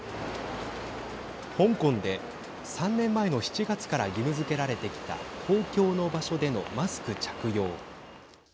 香港で３年前の７月から義務づけられてきた公共の場所でのマスク着用。